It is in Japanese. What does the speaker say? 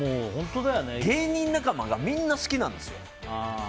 芸人仲間がみんな好きなんですよ。